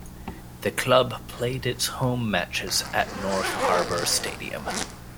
The club played its home matches at North Harbour Stadium.